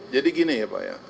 jadi gini ya pak ya